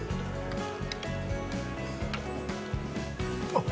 あっ！